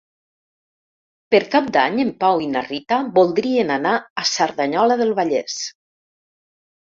Per Cap d'Any en Pau i na Rita voldrien anar a Cerdanyola del Vallès.